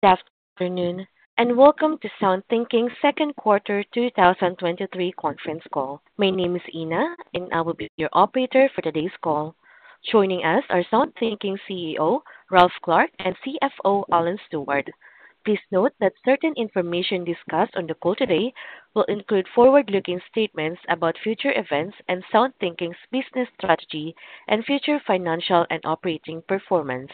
Good afternoon, and welcome to SoundThinking's Second Quarter 2023 Conference Call. My name is Ina, and I will be your operator for today's call. Joining us are SoundThinking's CEO, Ralph Clark, and CFO, Alan Stewart. Please note that certain information discussed on the call today will include forward-looking statements about future events and SoundThinking's business strategy and future financial and operating performance.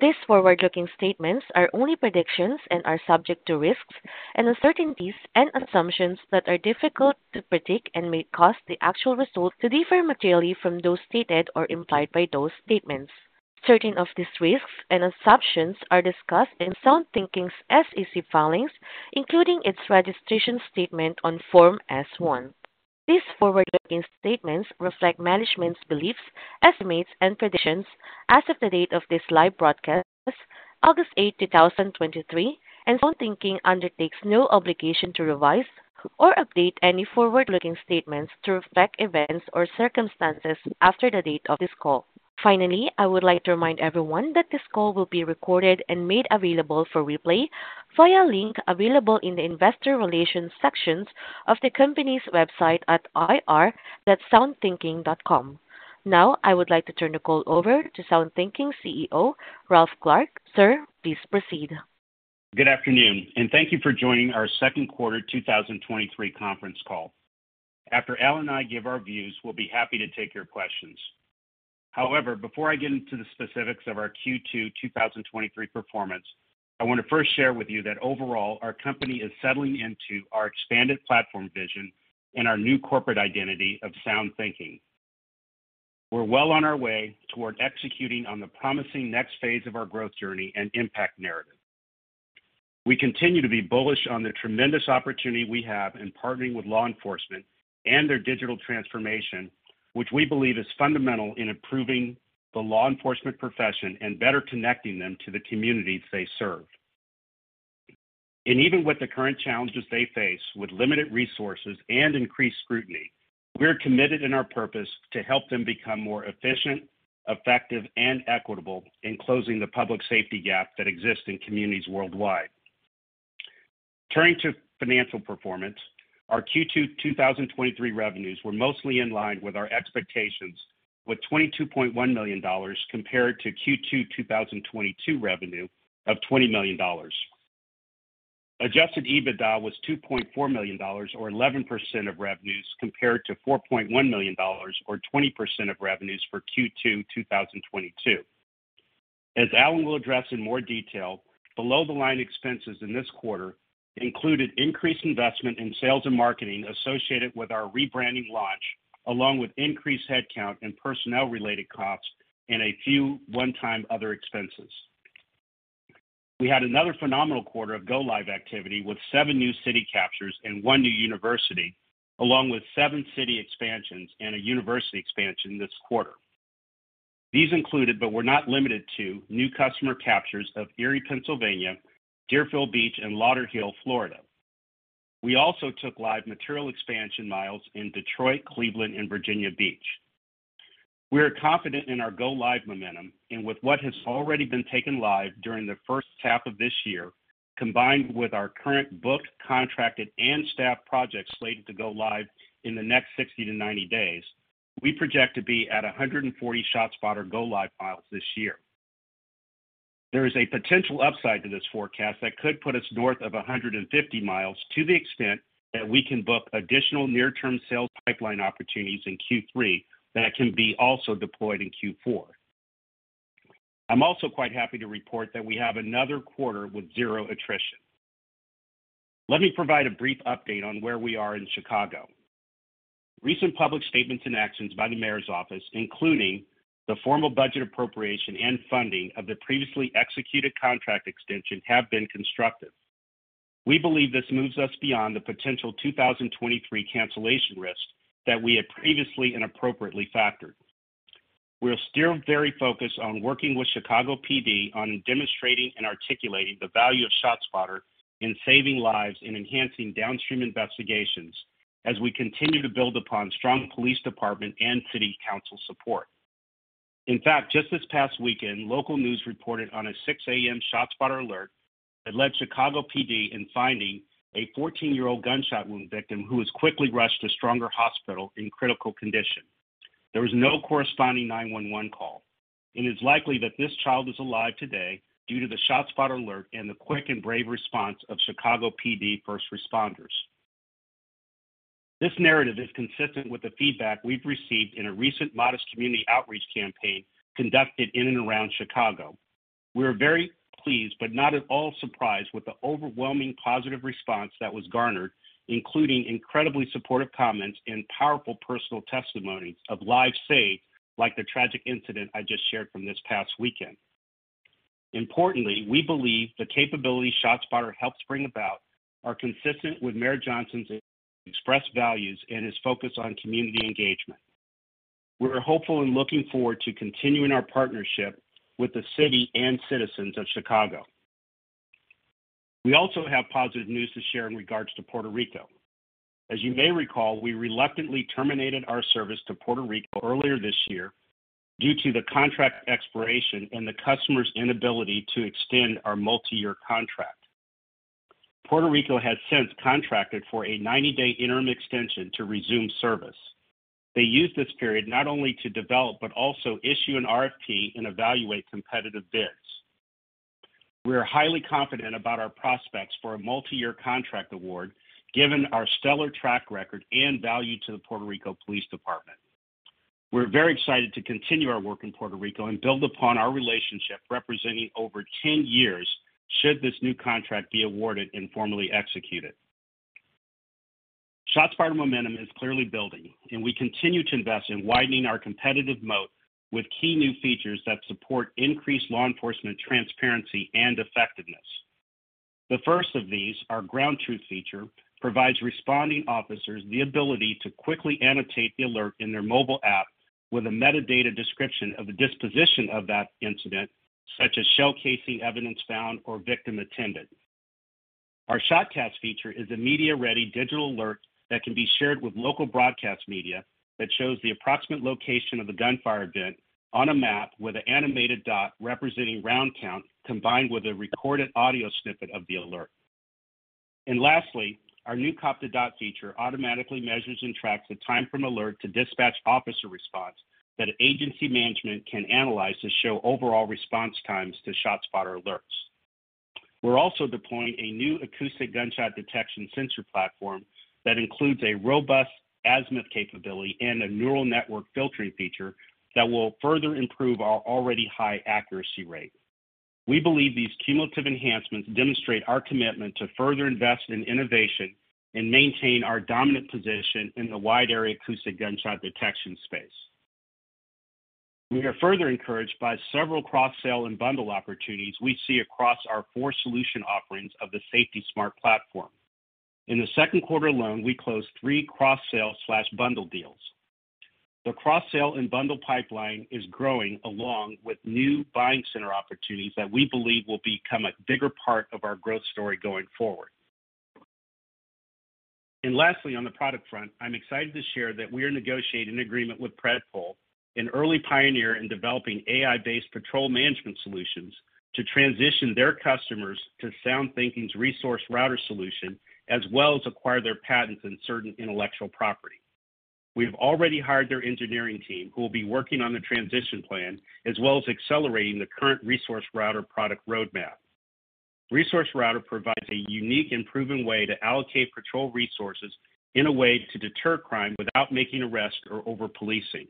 These forward-looking statements are only predictions and are subject to risks and uncertainties and assumptions that are difficult to predict and may cause the actual results to differ materially from those stated or implied by those statements. Certain of these risks and assumptions are discussed in SoundThinking's SEC filings, including its registration statement on Form S-1. These forward-looking statements reflect management's beliefs, estimates, and predictions as of the date of this live broadcast, August 8th, 2023, and SoundThinking undertakes no obligation to revise or update any forward-looking statements to reflect events or circumstances after the date of this call. Finally, I would like to remind everyone that this call will be recorded and made available for replay via link available in the investor relations sections of the company's website at ir.soundthinking.com. Now, I would like to turn the call over to SoundThinking's CEO, Ralph Clark. Sir, please proceed. Good afternoon, and thank you for joining our second quarter 2023 conference call. After Alan and I give our views, we'll be happy to take your questions. However, before I get into the specifics of our Q2 2023 performance, I want to first share with you that overall, our company is settling into our expanded platform vision and our new corporate identity of SoundThinking. We're well on our way toward executing on the promising next phase of our growth journey and impact narrative. We continue to be bullish on the tremendous opportunity we have in partnering with law enforcement and their digital transformation, which we believe is fundamental in improving the enforcement profession and better connecting them to the communities they serve. Even with the current challenges they face, with limited resources and increased scrutiny, we're committed in our purpose to help them become more efficient, effective, and equitable in closing the public safety gap that exists in communities worldwide. Turning to financial performance, our Q2 2023 revenues were mostly in line with our expectations, with $22.1 million compared to Q2 2022 revenue of $20 million. Adjusted EBITDA was $2.4 million or 11% of revenues, compared to $4.1 million, or 20% of revenues for Q2 2022. As Alan will address in more detail, below-the-line expenses in this quarter included increased investment in sales and marketing associated with our rebranding launch, along with increased headcount and personnel-related costs and a few one-time other expenses. We had another phenomenal quarter of go-live activity, with seven new city captures and one new university, along with seven city expansions and a university expansion this quarter. These included, but were not limited to, new customer captures of Erie, Pennsylvania, Deerfield Beach, and Lauderhill, Florida. We also took live material expansion miles in Detroit, Cleveland, and Virginia Beach. We are confident in our go-live momentum and with what has already been taken live during the first half of this year, combined with our current booked, contracted, and staffed projects slated to go live in the next 60 days-90 days, we project to be at 140 ShotSpotter go-live miles this year. There is a potential upside to this forecast that could put us north of 150 miles to the extent that we can book additional near-term sales pipeline opportunities in Q3 that can be also deployed in Q4. I'm also quite happy to report that we have another quarter with zero attrition. Let me provide a brief update on where we are in Chicago. Recent public statements and actions by the mayor's office, including the formal budget appropriation and funding of the previously executed contract extension, have been constructive. We believe this moves us beyond the potential 2023 cancellation risk that we had previously and appropriately factored. We are still very focused on working with Chicago PD on demonstrating and articulating the value of ShotSpotter in saving lives and enhancing downstream investigations as we continue to build upon strong police department and city council support. In fact, just this past weekend, local news reported on a 6:00 A.M. ShotSpotter alert that led Chicago PD in finding a 14-year-old gunshot wound victim who was quickly rushed to Stroger Hospital in critical condition. There was no corresponding 911 call. It is likely that this child is alive today due to the ShotSpotter alert and the quick and brave response of Chicago PD first responders. This narrative is consistent with the feedback we've received in a recent modest community outreach campaign conducted in and around Chicago. We are very pleased, but not at all surprised, with the overwhelming positive response that was garnered, including incredibly supportive comments and powerful personal testimonies of lives saved, like the tragic incident I just shared from this past weekend. Importantly, we believe the capabilities ShotSpotter helps bring about are consistent with Mayor Johnson's expressed values and his focus on community engagement. We're hopeful and looking forward to continuing our partnership with the city and citizens of Chicago. We also have positive news to share in regards to Puerto Rico... As you may recall, we reluctantly terminated our service to Puerto Rico earlier this year due to the contract expiration and the customer's inability to extend our multiyear contract. Puerto Rico has since contracted for a 90-day interim extension to resume service. They used this period not only to develop, but also issue an RFP and evaluate competitive bids. We are highly confident about our prospects for a multiyear contract award, given our stellar track record and value to the Puerto Rico Police Department. We're very excited to continue our work in Puerto Rico and build upon our relationship, representing over 10 years, should this new contract be awarded and formally executed. ShotSpotter momentum is clearly building. We continue to invest in widening our competitive moat with key new features that support increased law enforcement, transparency, and effectiveness. The first of these, our Ground Truth feature, provides responding officers the ability to quickly annotate the alert in their mobile app with a metadata description of the disposition of that incident, such as shell casing, evidence found, or victim attended. Our ShotCast feature is a media-ready digital alert that can be shared with local broadcast media, that shows the approximate location of the gunfire event on a map with an animated dot representing round count, combined with a recorded audio snippet of the alert. Lastly, our new Cop to Dot feature automatically measures and tracks the time from alert to dispatch officer response that agency management can analyze to show overall response times to ShotSpotter alerts. We're also deploying a new acoustic gunshot detection sensor platform that includes a robust azimuth capability and a neural network filtering feature that will further improve our already high accuracy rate. We believe these cumulative enhancements demonstrate our commitment to further invest in innovation and maintain our dominant position in the wide-area acoustic gunshot detection space. We are further encouraged by several cross-sale and bundle opportunities we see across our four solution offerings of the SafetySmart Platform. In the second quarter alone, we closed three cross-sale/bundle deals. The cross-sale and bundle pipeline is growing, along with new buying center opportunities that we believe will become a bigger part of our growth story going forward. Lastly, on the product front, I'm excited to share that we are negotiating an agreement with PredPol, an early pioneer in developing AI-based patrol management solutions, to transition their customers to SoundThinking's ResourceRouter solution, as well as acquire their patents and certain intellectual property. We've already hired their engineering team, who will be working on the transition plan, as well as accelerating the current ResourceRouter product roadmap. ResourceRouter provides a unique and proven way to allocate patrol resources in a way to deter crime without making arrests or over-policing.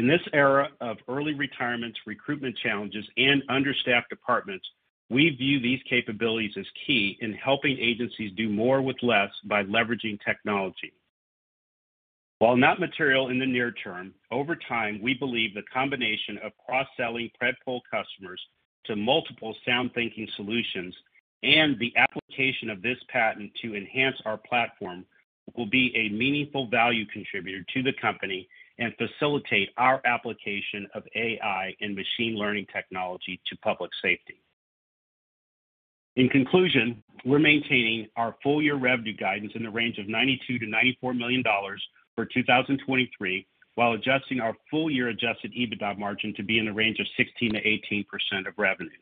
In this era of early retirements, recruitment challenges, and understaffed departments, we view these capabilities as key in helping agencies do more with less by leveraging technology. While not material in the near term, over time, we believe the combination of cross-selling PredPol customers to multiple SoundThinking solutions and the application of this patent to enhance our platform will be a meaningful value contributor to the company and facilitate our application of AI and machine learning technology to public safety. In conclusion, we're maintaining our full-year revenue guidance in the range of $92 million-$94 million for 2023, while adjusting our full-year adjusted EBITDA margin to be in the range of 16%-18% of revenues.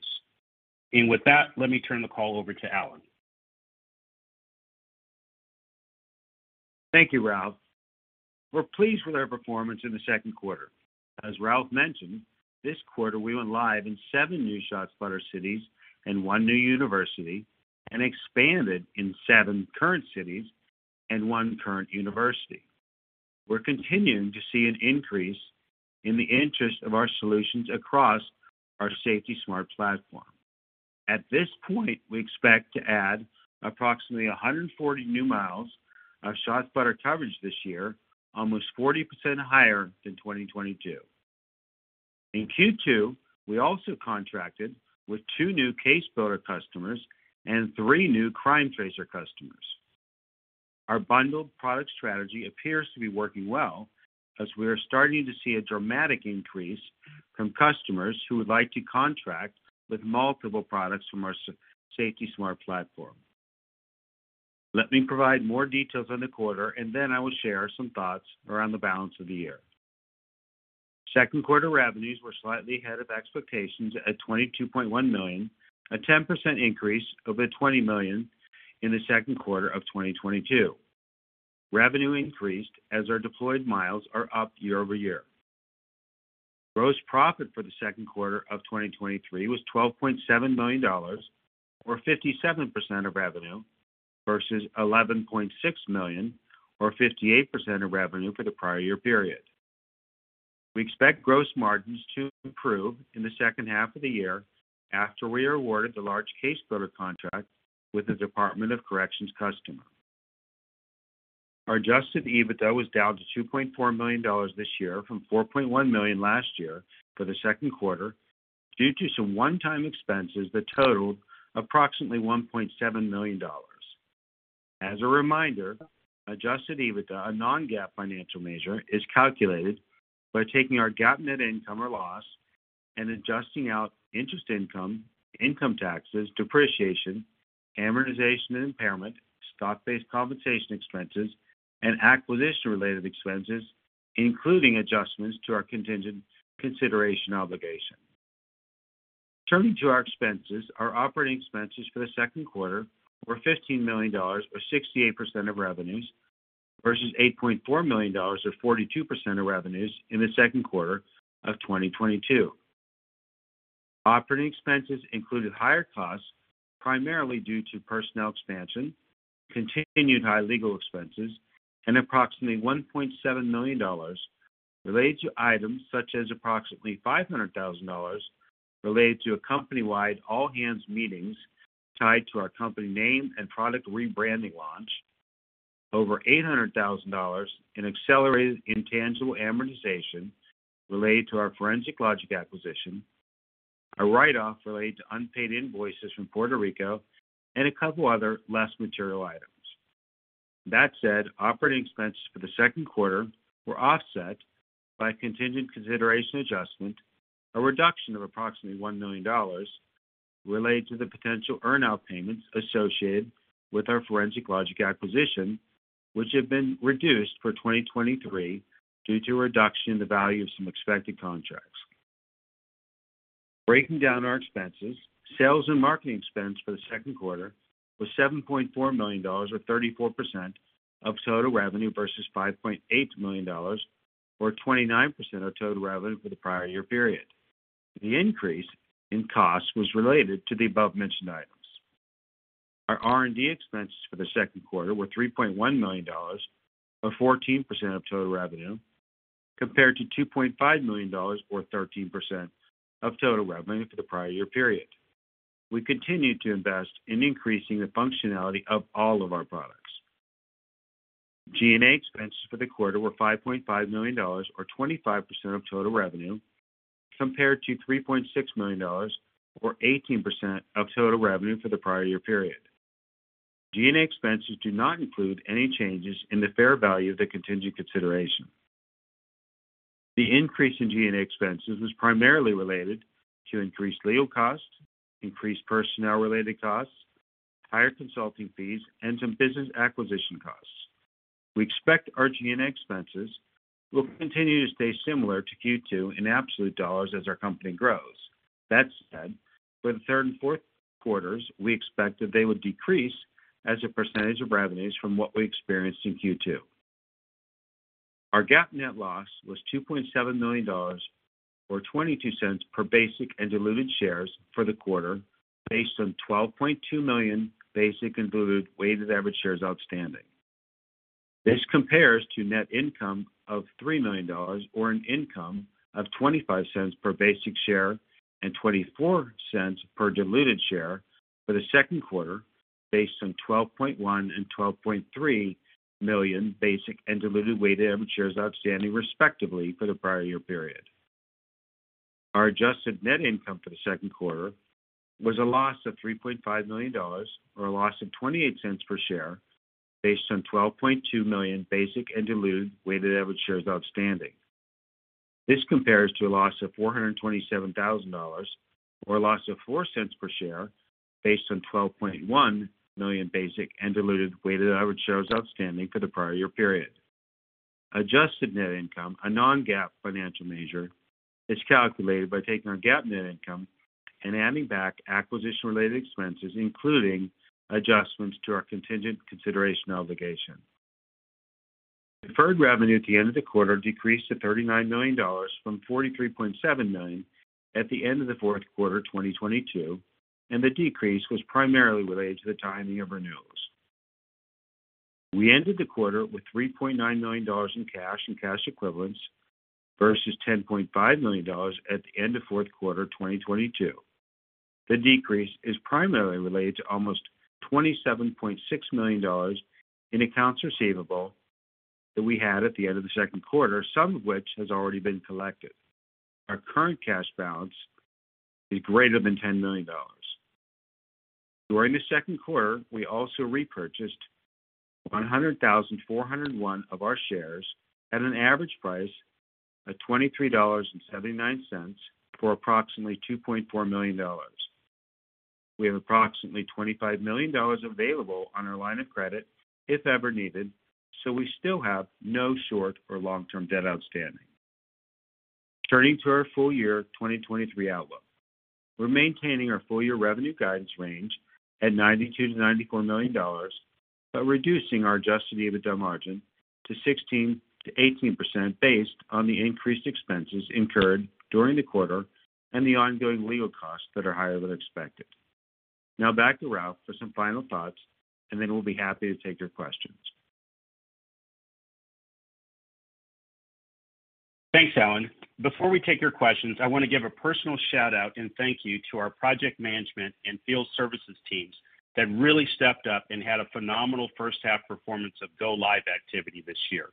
With that, let me turn the call over to Alan. Thank you, Ralph. We're pleased with our performance in the second quarter. As Ralph mentioned, this quarter, we went live in seven new ShotSpotter cities and one new university, expanded in seven current cities and one current university. We're continuing to see an increase in the interest of our solutions across our SafetySmart Platform. At this point, we expect to add approximately 140 new miles of ShotSpotter coverage this year, almost 40% higher than 2022. In Q2, we also contracted with two new CaseBuilder customers and three new CrimeTracer customers. Our bundled product strategy appears to be working well as we are starting to see a dramatic increase from customers who would like to contract with multiple products from our SafetySmart Platform. Let me provide more details on the quarter, then I will share some thoughts around the balance of the year. Second quarter revenues were slightly ahead of expectations at $22.1 million, a 10% increase over the $20 million in the second quarter of 2022. Revenue increased as our deployed miles are up year-over-year. Gross profit for the second quarter of 2023 was $12.7 million, or 57% of revenue, versus $11.6 million, or 58% of revenue for the prior-year period. We expect gross margins to improve in the second half of the year after we are awarded the large CaseBuilder contract with the Department of Corrections customer. Our adjusted EBITDA was down to $2.4 million this year from $4.1 million last year for the second quarter, due to some one-time expenses that totaled approximately $1.7 million. As a reminder, adjusted EBITDA, a non-GAAP financial measure, is calculated by taking our GAAP net income or loss and adjusting out interest income, income taxes, depreciation, amortization, and impairment, stock-based compensation expenses, and acquisition-related expenses, including adjustments to our contingent consideration obligation. Turning to our expenses, our operating expenses for the second quarter were $15 million, or 68% of revenues, versus $8.4 million, or 42% of revenues, in the second quarter of 2022. Operating expenses included higher costs, primarily due to personnel expansion, continued high legal expenses, and approximately $1.7 million related to items such as approximately $500,000 related to a company-wide all-hands meetings tied to our company name and product rebranding launch. Over $800,000 in accelerated intangible amortization related to our Forensic Logic acquisition, a write-off related to unpaid invoices from Puerto Rico, and a couple other less material items. That said, operating expenses for the second quarter were offset by a contingent consideration adjustment, a reduction of approximately $1 million related to the potential earn-out payments associated with our Forensic Logic acquisition, which have been reduced for 2023 due to a reduction in the value of some expected contracts. Breaking down our expenses. Sales and marketing expense for the second quarter was $7.4 million, or 34% of total revenue, versus $5.8 million, or 29% of total revenue for the prior-year period. The increase in costs was related to the above-mentioned items. Our R&D expenses for the second quarter were $3.1 million, or 14% of total revenue, compared to $2.5 million, or 13% of total revenue for the prior-year period. We continued to invest in increasing the functionality of all of our products. G&A expenses for the quarter were $5.5 million, or 25% of total revenue, compared to $3.6 million, or 18% of total revenue for the prior-year period. G&A expenses do not include any changes in the fair value of the contingent consideration. The increase in G&A expenses was primarily related to increased legal costs, increased personnel-related costs, higher consulting fees, and some business acquisition costs. We expect our G&A expenses will continue to stay similar to Q2 in absolute dollars as our company grows. That said, for the third and fourth quarters, we expect that they would decrease as a percentage of revenues from what we experienced in Q2. Our GAAP net loss was $2.7 million, or $0.22 per basic and diluted shares for the quarter, based on 12.2 million basic and diluted weighted average shares outstanding. This compares to net income of $3 million, or an income of $0.25 per basic share and $0.24 per diluted share for the second quarter, based on 12.1 million and 12.3 million basic and diluted weighted average shares outstanding, respectively, for the prior-year period. Our adjusted net income for the second quarter was a loss of $3.5 million, or a loss of $0.28 per share, based on 12.2 million basic and diluted weighted average shares outstanding. This compares to a loss of $427,000, or a loss of $0.04 per share, based on 12.1 million basic and diluted weighted average shares outstanding for the prior-year period. Adjusted net income, a non-GAAP financial measure, is calculated by taking our GAAP net income and adding back acquisition-related expenses, including adjustments to our contingent consideration obligation. Deferred revenue at the end of the quarter decreased to $39 million from $43.7 million at the end of the fourth quarter 2022. The decrease was primarily related to the timing of renewals. We ended the quarter with $3.9 million in cash and cash equivalents versus $10.5 million at the end of fourth quarter 2022. The decrease is primarily related to almost $27.6 million in accounts receivable that we had at the end of the second quarter, some of which has already been collected. Our current cash balance is greater than $10 million. During the second quarter, we also repurchased 100,401 of our shares at an average price of $23.79 for approximately $2.4 million. We have approximately $25 million available on our line of credit, if ever needed, so we still have no short or long-term debt outstanding. Turning to our full-year 2023 outlook. We're maintaining our full-year revenue guidance range at $92 million-$94 million, but reducing our adjusted EBITDA margin to 16%-18% based on the increased expenses incurred during the quarter and the ongoing legal costs that are higher than expected. Now back to Ralph for some final thoughts, and then we'll be happy to take your questions. Thanks, Alan. Before we take your questions, I want to give a personal shout-out and thank you to our project management and field services teams that really stepped up and had a phenomenal first-half performance of go-live activity this year.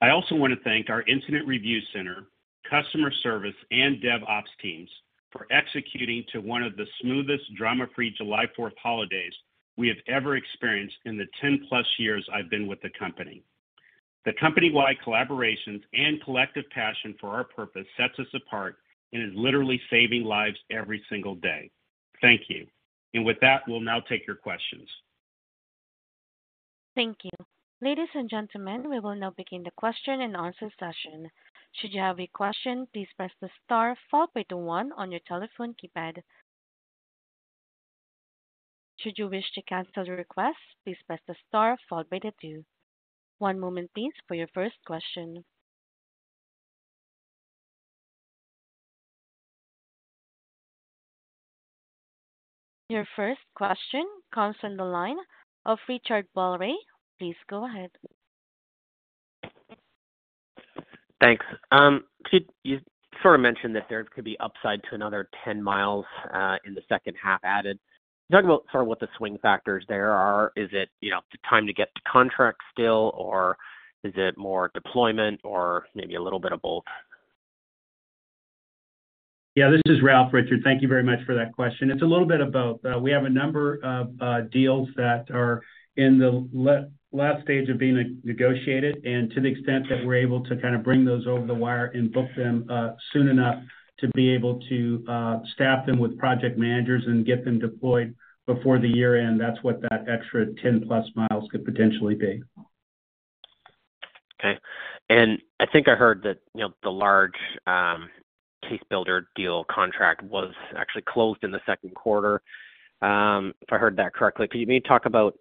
I also want to thank our Incident Review Center, customer service, and DevOps teams for executing to one of the smoothest drama-free July 4th holidays we have ever experienced in the 10+ years I've been with the company. The company-wide collaborations and collective passion for our purpose sets us apart and is literally saving lives every single day. Thank you. With that, we'll now take your questions. Thank you. Ladies and gentlemen, we will now begin the question-and-answer session. Should you have a question, please press the star followed by the one on your telephone keypad. Should you wish to cancel the request, please press the star followed by the two. One moment, please, for your first question. Your first question comes from the line of Richard Baldry. Please go ahead. Thanks. Could you sort of mention that there could be upside to another 10 miles in the second half added? Talk about sort of what the swing factors there are. Is it, you know, the time to get to contract still, or is it more deployment or maybe a little bit of both? Yeah, this is Ralph, Richard. Thank you very much for that question. It's a little bit of both. We have a number of deals that are in the last stage of being negotiated, and to the extent that we're able to kind of bring those over the wire and book them, soon enough to be able to staff them with project managers and get them deployed before the year end, that's what that extra 10+ miles could potentially be. Okay. I think I heard that, you know, the large CaseBuilder deal contract was actually closed in the second quarter, if I heard that correctly. Could you maybe talk about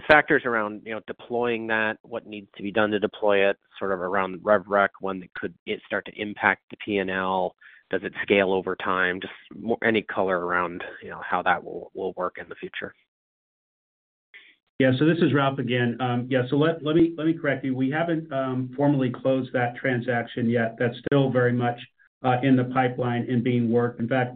the factors around, you know, deploying that? What needs to be done to deploy it, sort of around rev rec, when could it start to impact the PNL? Does it scale over time? Just more any color around, you know, how that will, will work in the future. Yeah. This is Ralph again. Yeah, let me correct you. We haven't formally closed that transaction yet. That's still very much in the pipeline and being worked. In fact,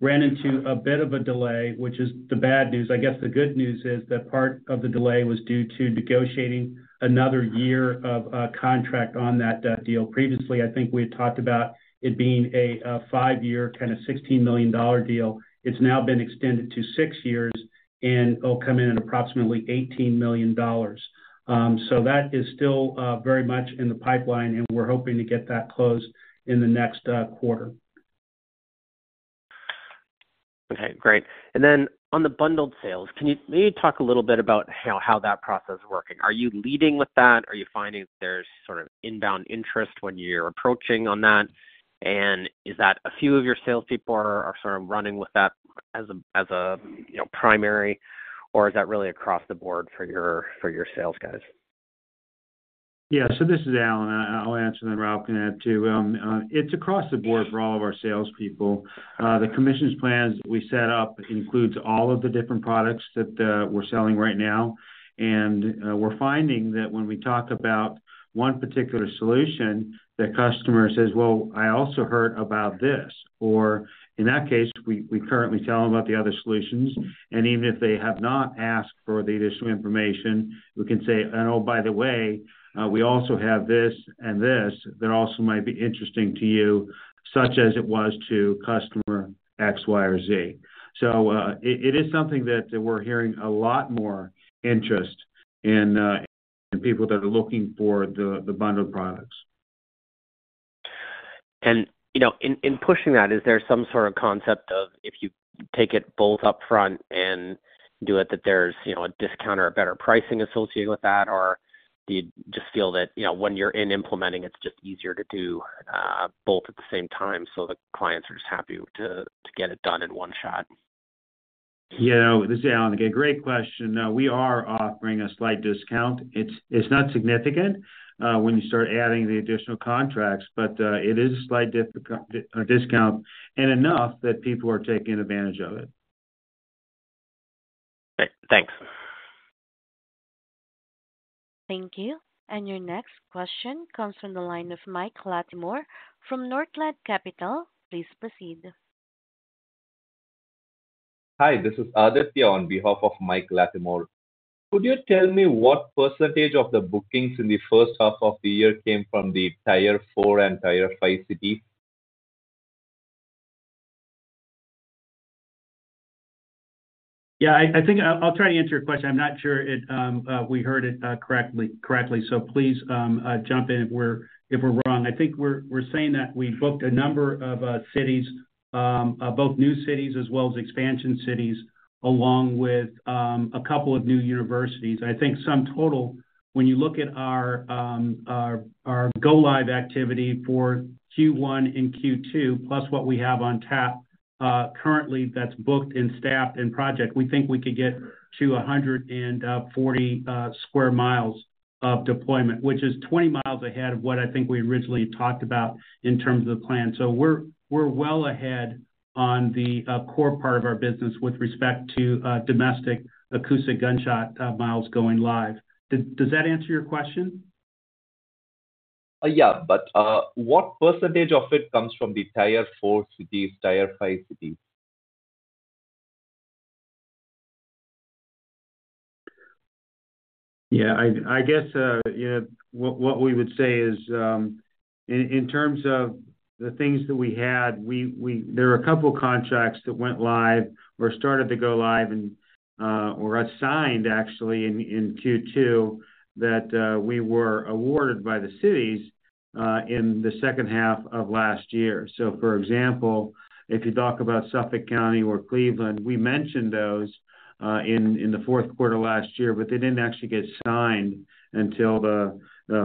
we ran into a bit of a delay, which is the bad news. I guess the good news is that part of the delay was due to negotiating another year of contract on that deal. Previously, I think we had talked about it being a five-year, kind of $16 million deal. It's now been extended to 6 years and will come in at approximately $18 million. That is still very much in the pipeline, and we're hoping to get that closed in the next quarter. Okay, great. Then on the bundled sales, can you maybe talk a little bit about how, how that process is working? Are you leading with that? Are you finding that there's sort of inbound interest when you're approaching on that? Is that a few of your salespeople are sort of running with that as a, as a, you know, primary, or is that really across the board for your, for your sales guys? Yeah. This is Alan. I, I'll answer then Ralph can add, too. It's across the board for all of our salespeople. The commissions plans we set up includes all of the different products that we're selling right now. We're finding that when we talk about one particular solution, the customer says, "Well, I also heard about this." In that case, we, we currently tell them about the other solutions, and even if they have not asked for the additional information, we can say, "And oh, by the way, we also have this and this, that also might be interesting to you, such as it was to customer X, Y, or Z." It, it is something that we're hearing a lot more interest in, in people that are looking for the, the bundled products. You know, in, in pushing that, is there some sort of concept of if you take it both up front and do it, that there's, you know, a discount or a better pricing associated with that? Do you just feel that, you know, when you're in implementing, it's just easier to do both at the same time, so the clients are just happy to, to get it done in one shot? Yeah, this is Alan again. Great question. No, we are offering a slight discount. It's, it's not significant when you start adding the additional contracts, but it is a slight discount and enough that people are taking advantage of it. Great. Thanks. Thank you. Your next question comes from the line of Mike Latimore from Northland Capital Markets. Please proceed. Hi, this is Aditya on behalf of Mike Latimore. Could you tell me what % of the bookings in the first half of the year came from the Tier Four and Tier Five city? Yeah, I, I think I, I'll try to answer your question. I'm not sure it, we heard it correctly, correctly, so please jump in if we're, if we're wrong. I think we're, we're saying that we booked a number of cities, both new cities as well as expansion cities, along with a couple of new universities. I think sum total, when you look at our, our, our go-live activity for Q1 and Q2, plus what we have on tap, currently that's booked and staffed in project, we think we could get to 140 sq mi of deployment, which is 20 miles ahead of what I think we originally talked about in terms of the plan. We're, we're well ahead on the core part of our business with respect to domestic acoustic gunshot miles going live. Does, does that answer your question? Yeah, but what percentage of it comes from the Tier Four cities, Tier Five cities? Yeah, I, I guess, you know, what, what we would say is. ...In, in terms of the things that we had, we, we there are a couple contracts that went live or started to go live and, or assigned actually in Q2, that we were awarded by the cities in the second half of last year. For example, if you talk about Suffolk County or Cleveland, we mentioned those in the fourth quarter last year, but they didn't actually get signed until the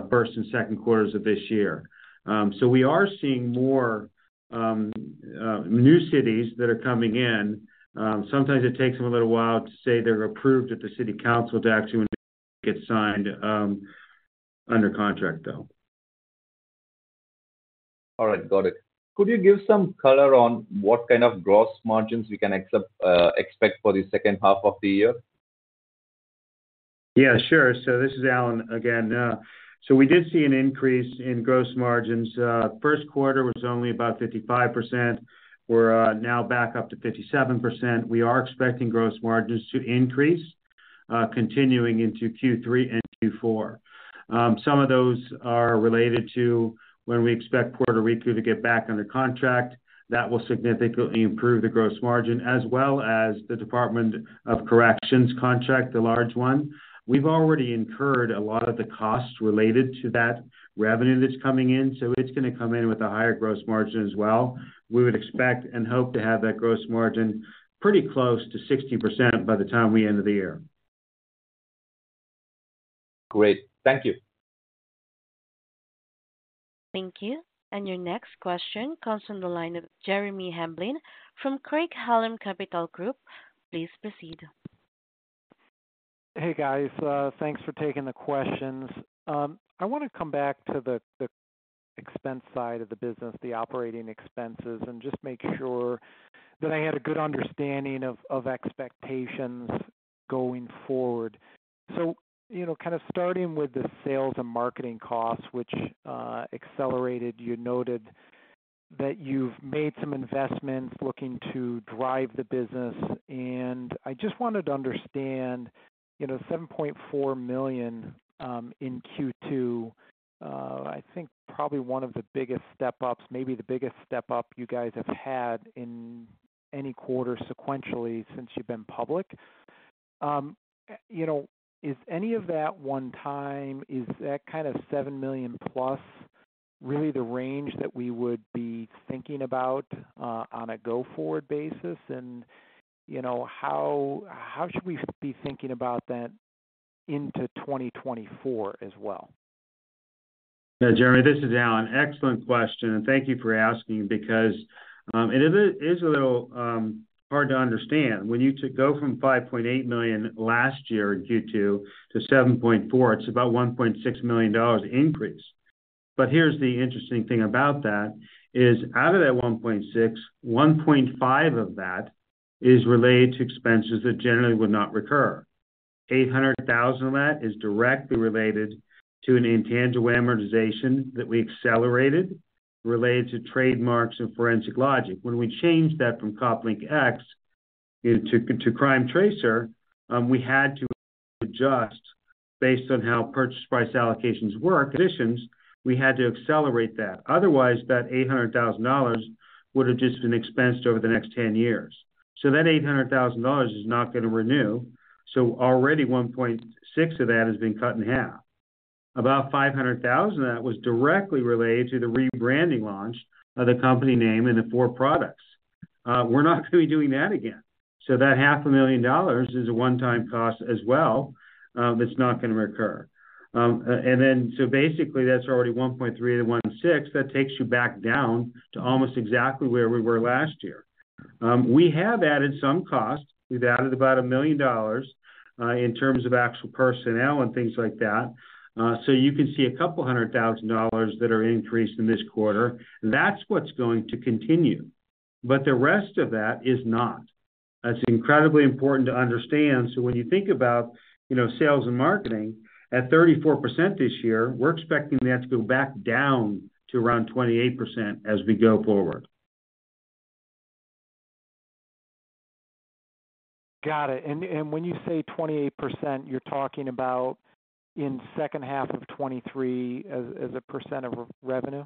first and second quarters of this year. We are seeing more new cities that are coming in. Sometimes it takes them a little while to say they're approved at the city council to actually get signed under contract, though. All right. Got it. Could you give some color on what kind of gross margins we can accept, expect for the second half of the year? Yeah, sure. This is Alan again. We did see an increase in gross margins. First quarter was only about 55%. We're now back up to 57%. We are expecting gross margins to increase, continuing into Q3 and Q4. Some of those are related to when we expect Puerto Rico to get back under contract. That will significantly improve the gross margin, as well as the Department of Corrections contract, the large one. We've already incurred a lot of the costs related to that revenue that's coming in, so it's gonna come in with a higher gross margin as well. We would expect and hope to have that gross margin pretty close to 60% by the time we end the year. Great. Thank you. Thank you. Your next question comes from the line of Jeremy Hamblin from Craig-Hallum Capital Group. Please proceed. Hey, guys. Thanks for taking the questions. I wanna come back to the expense side of the business, the operating expenses, and just make sure that I had a good understanding of expectations going forward. You know, kind of starting with the sales and marketing costs, which accelerated, you noted that you've made some investments looking to drive the business. I just wanted to understand, you know, $7.4 million in Q2, I think probably one of the biggest step ups, maybe the biggest step up you guys have had in any quarter sequentially since you've been public. You know, is any of that one time, is that kind of $7 million+ really the range that we would be thinking about on a go-forward basis? you know, how, how should we be thinking about that into 2024 as well? Yeah, Jeremy, this is Alan. Excellent question, thank you for asking because it is, is a little hard to understand. When you to go from $5.8 million last year in Q2 to $7.4 million, it's about $1.6 million increase. Here's the interesting thing about that, is out of that $1.6 million, $1.5 million of that is related to expenses that generally would not recur. $800,000 of that is directly related to an intangible amortization that we accelerated related to trademarks and Forensic Logic. When we changed that from COPLINK X into, to CrimeTracer, we had to adjust based on how purchase price allocations work conditions, we had to accelerate that. Otherwise, that $800,000 would have just been expensed over the next 10 years. That $800,000 is not going to renew, so already $1.6 million of that has been cut in half. About $500,000 of that was directly related to the rebranding launch of the company name and the four products. We're not going to be doing that again. That $500,000 is a one-time cost as well, that's not going to recur. That's already $1.3 million-$1.6 million. That takes you back down to almost exactly where we were last year. We have added some costs. We've added about $1 million in terms of actual personnel and things like that. You can see $200,000 that are increased in this quarter. That's what's going to continue, but the rest of that is not. That's incredibly important to understand. When you think about, you know, sales and marketing at 34% this year, we're expecting that to go back down to around 28% as we go forward. Got it. When you say 28%, you're talking about in second half of 2023 as a % of revenue?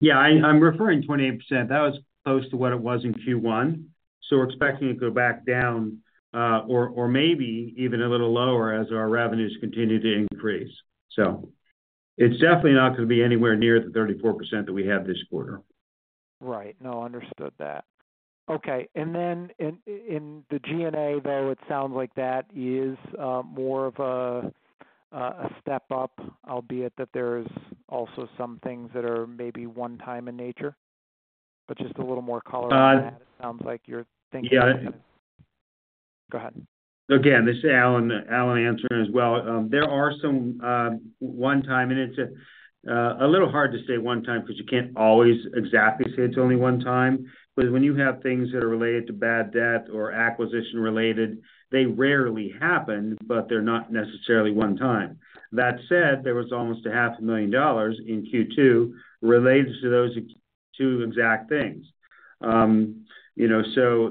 Yeah, I, I'm referring 28%. That was close to what it was in Q1, so we're expecting to go back down, or, or maybe even a little lower as our revenues continue to increase. So it's definitely not gonna be anywhere near the 34% that we have this quarter. Right. No, understood that. Okay. In, in the G&A, though, it sounds like that is more of a step up, albeit that there's also some things that are maybe one time in nature. Just a little more color- Uh- -on that. It sounds like you're thinking. Yeah. Go ahead. Again, this is Alan. Alan answering as well. There are some one time, it's a little hard to say one time, because you can't always exactly say it's only one time. When you have things that are related to bad debt or acquisition-related, they rarely happen, but they're not necessarily one time. That said, there was almost $500,000 in Q2 related to those two exact things. You know,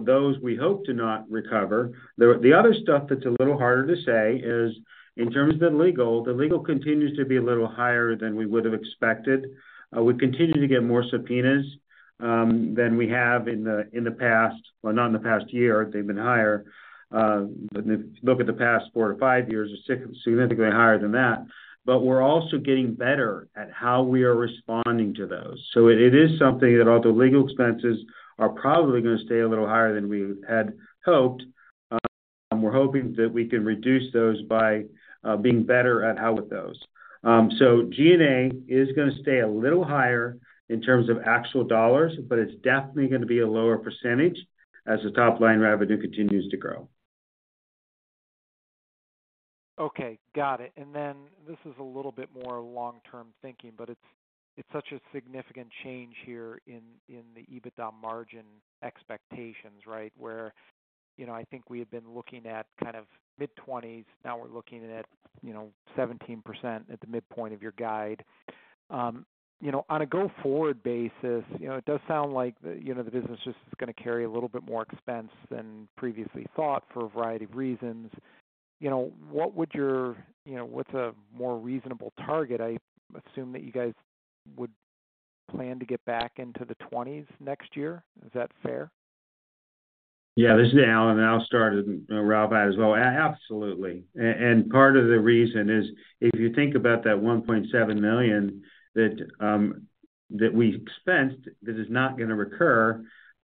those we hope to not recover. The other stuff that's a little harder to say is in terms of the legal, the legal continues to be a little higher than we would have expected. We continue to get more subpoenas than we have in the past, well, not in the past year, they've been higher. If you look at the past four to five years, it's significantly higher than that. We're also getting better at how we are responding to those. It is something that all the legal expenses are probably going to stay a little higher than we had hoped. We're hoping that we can reduce those by being better at how with those. G&A is gonna stay a little higher in terms of actual dollars, but it's definitely gonna be a lower percentage as the top-line revenue continues to grow. Okay, got it. Then this is a little bit more long-term thinking, but it's, it's such a significant change here in, in the EBITDA margin expectations, right? Where, you know, I think we have been looking at kind of mid-twenties, now we're looking at, you know, 17% at the midpoint of your guide. You know, on a go-forward basis, you know, it does sound like the, you know, the business just is gonna carry a little bit more expense than previously thought for a variety of reasons. You know, what would your-- you know, what's a more reasonable target? I assume that you guys would plan to get back into the twenties next year. Is that fair? Yeah, this is Alan, I'll start and Ralph out as well. Absolutely. Part of the reason is, if you think about that $1.7 million that we expensed, this is not gonna recur,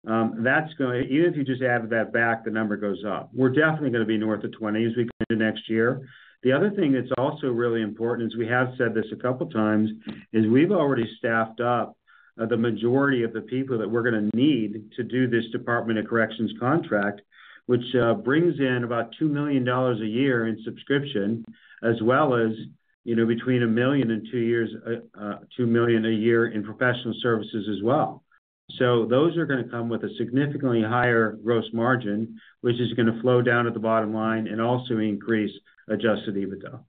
even if you just add that back, the number goes up. We're definitely gonna be north of 20 as we go into next year. The other thing that's also really important is, we have said this a couple of times, is we've already staffed up the majority of the people that we're gonna need to do this Department of Corrections contract, which brings in about $2 million a year in subscription, as well as, you know, between $1 million and $2 million a year in professional services as well. Those are gonna come with a significantly higher gross margin, which is gonna flow down to the bottom line and also increase adjusted EBITDA.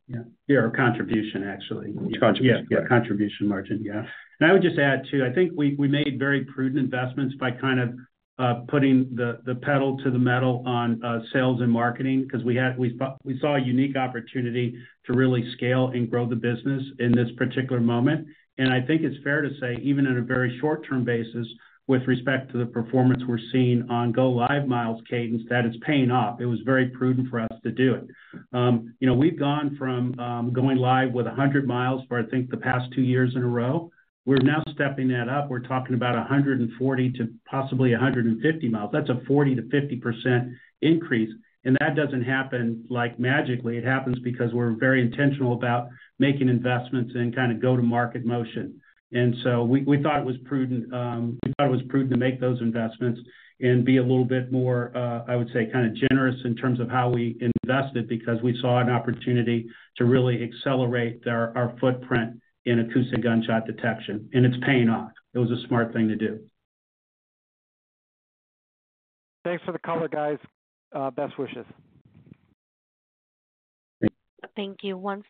Yeah. Contribution, actually. Contribution, yeah. Contribution margin, yeah. I would just add, too, I think we, we made very prudent investments by kind of, putting the pedal to the metal on sales and marketing because we saw a unique opportunity to really scale and grow the business in this particular moment. I think it's fair to say, even on a very short-term basis, with respect to the performance we're seeing on go live miles cadence, that it's paying off. It was very prudent for us to do it. You know, we've gone from going live with 100 miles for, I think, the past two years in a row. We're now stepping that up. We're talking about 140 to possibly 150 miles. That's a 40%-50% increase, and that doesn't happen like magically. It happens because we're very intentional about making investments and kind of go-to-market motion. So we, we thought it was prudent, we thought it was prudent to make those investments and be a little bit more, I would say, kind of generous in terms of how we invested, because we saw an opportunity to really accelerate our, our footprint in acoustic gunshot detection, and it's paying off. It was a smart thing to do. Thanks for the color, guys. Best wishes. Thank you.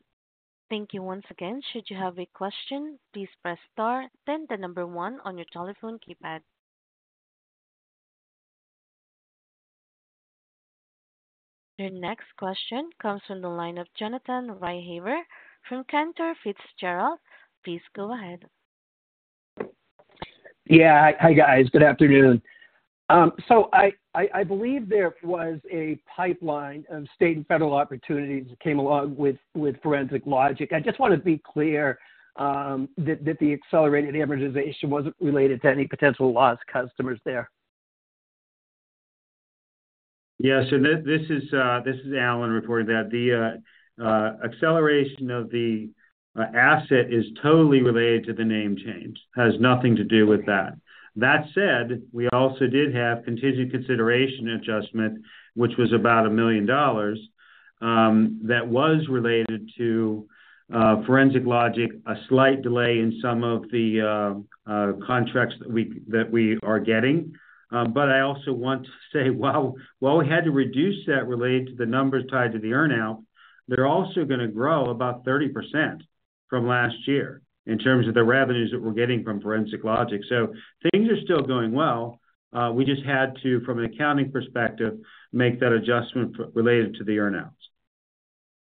Thank you once again. Should you have a question, please press Star, then the 1 on your telephone keypad. Your next question comes from the line of Jonathan Ruykhaver from Cantor Fitzgerald. Please go ahead. Yeah. Hi, guys. Good afternoon. I, I, I believe there was a pipeline of state and federal opportunities that came along with, with Forensic Logic. I just want to be clear, that, that the accelerated amortization wasn't related to any potential lost customers there. Yes, this, this is Alan reporting that. The acceleration of the asset is totally related to the name change, has nothing to do with that. That said, we also did have contingent consideration adjustment, which was about $1 million, that was related to Forensic Logic, a slight delay in some of the contracts that we, that we are getting. I also want to say, while, while we had to reduce that related to the numbers tied to the earn-out, they're also gonna grow about 30% from last year in terms of the revenues that we're getting from Forensic Logic. Things are still going well. We just had to, from an accounting perspective, make that adjustment related to the earn-outs.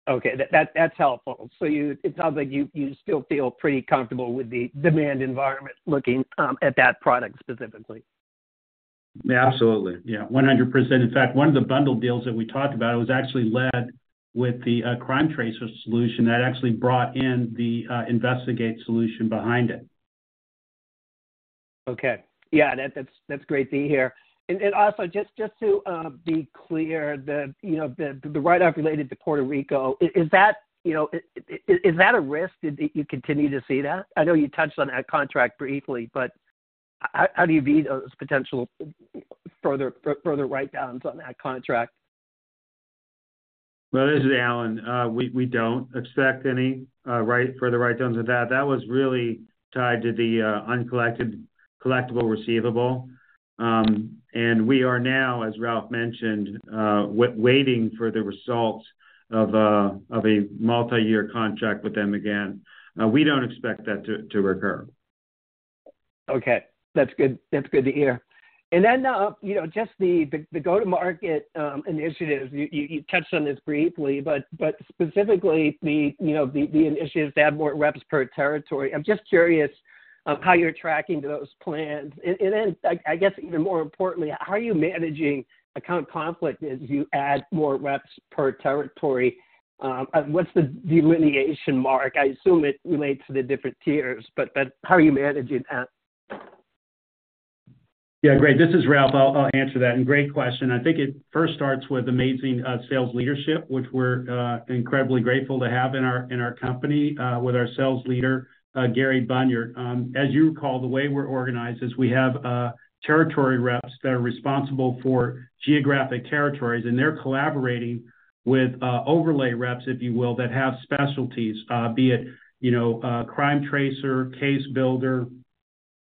Okay, that, that's helpful. It sounds like you, you still feel pretty comfortable with the demand environment, looking at that product specifically? Absolutely. Yeah, 100%. In fact, one of the bundle deals that we talked about was actually led with the CrimeTracer solution that actually brought in the Investigate solution behind it. Okay. Yeah, that, that's, that's great to hear. Also just, just to be clear, the, you know, the write-off related to Puerto Rico, is that, you know, is, is that a risk that you continue to see that? I know you touched on that contract briefly, how, how do you view those potential further, further write-downs on that contract? Well, this is Alan. We don't expect any further write-downs of that. That was really tied to the uncollected collectible receivable. We are now, as Ralph mentioned, waiting for the results of a multi-year contract with them again. We don't expect that to recur.... Okay, that's good. That's good to hear. Then, you know, just the, the, the go-to-market initiatives, you, you, you touched on this briefly, but, but specifically the, you know, the, the initiatives to add more reps per territory. I'm just curious on how you're tracking those plans. Then I, I guess even more importantly, how are you managing account conflict as you add more reps per territory? What's the delineation mark? I assume it relates to the different tiers, but, but how are you managing that? Yeah, great. This is Ralph. I'll, I'll answer that, great question. I think it first starts with amazing sales leadership, which we're incredibly grateful to have in our company, with our sales leader, Gary Bunyard. As you recall, the way we're organized is we have territory reps that are responsible for geographic territories, and they're collaborating with overlay reps, if you will, that have specialties, be it, you know, CrimeTracer, CaseBuilder,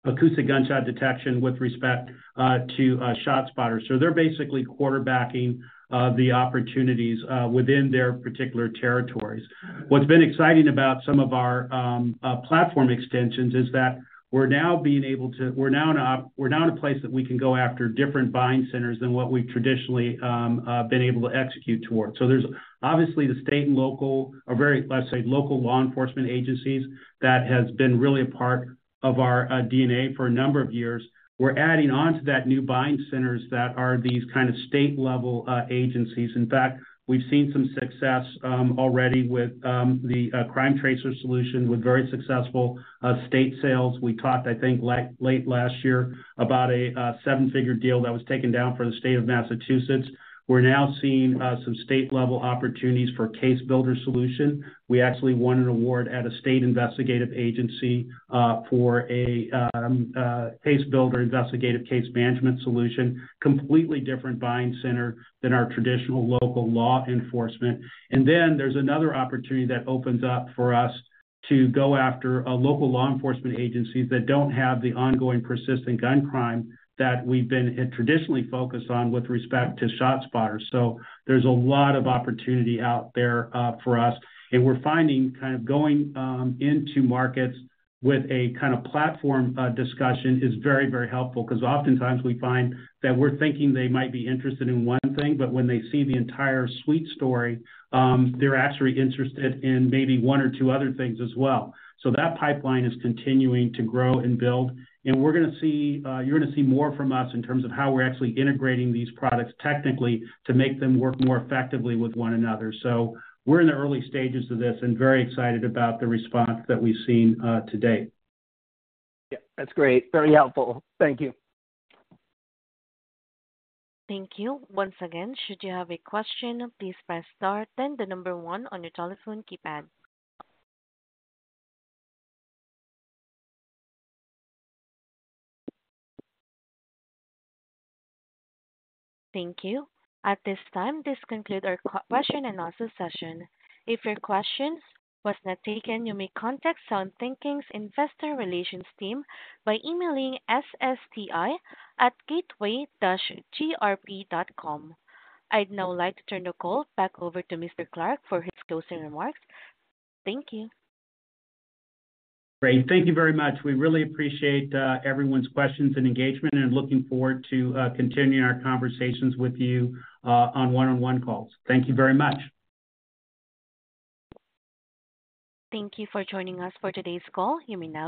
Acoustic Gunshot Detection with respect to ShotSpotter. They're basically quarterbacking the opportunities within their particular territories. What's been exciting about some of our platform extensions is that we're now being able to. We're now in a place that we can go after different buying centers than what we've traditionally been able to execute towards. There's obviously the state and local or very, let's say, local law enforcement agencies that has been really a part of our DNA for a number of years. We're adding on to that new buying centers that are these kind of state-level agencies. In fact, we've seen some success already with the CrimeTracer solution, with very successful state sales. We talked, I think, like late last year, about a seven-figure deal that was taken down for the state of Massachusetts. We're now seeing some state-level opportunities for CaseBuilder solution. We actually won an award at a state investigative agency for a CaseBuilder investigative case management solution, completely different buying center than our traditional local law enforcement. There's another opportunity that opens up for us to go after local law enforcement agencies that don't have the ongoing persistent gun crime that we've been traditionally focused on with respect to ShotSpotter. There's a lot of opportunity out there for us, and we're finding kind of going into markets with a kind of platform discussion is very, very helpful because oftentimes we find that we're thinking they might be interested in one thing, but when they see the entire suite story, they're actually interested in maybe one or two other things as well. That pipeline is continuing to grow and build, and we're gonna see, you're gonna see more from us in terms of how we're actually integrating these products technically to make them work more effectively with one another. We're in the early stages of this and very excited about the response that we've seen, to date. Yeah, that's great. Very helpful. Thank you. Thank you. Once again, should you have a question, please press star, then the one on your telephone keypad. Thank you. At this time, this conclude our question and answer session. If your questions was not taken, you may contact SoundThinking's investor relations team by emailing ssti@gatewayir.com. I'd now like to turn the call back over to Mr. Clark for his closing remarks. Thank you. Great. Thank you very much. We really appreciate, everyone's questions and engagement. Looking forward to, continuing our conversations with you, on one-on-one calls. Thank you very much. Thank you for joining us for today's call. You may disconnect.